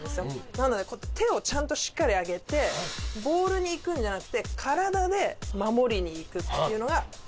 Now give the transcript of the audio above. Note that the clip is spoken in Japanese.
なのでこうやって手をちゃんとしっかり上げてボールにいくんじゃなくて体で守りにいくっていうのが特徴的です。